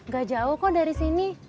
gak jauh kok dari sini